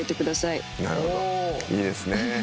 いいですね。